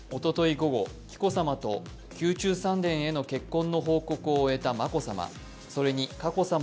午後、紀子さまと宮中三殿への結婚の報告を終えた眞子さま